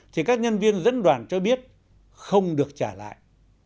thì các nhân viên dẫn đoàn cho biết không được trả lại